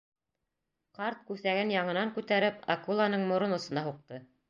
Ҡарт күҫәген яңынан күтәреп, акуланың морон осона һуҡты.